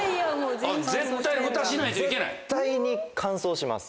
絶対に乾燥します。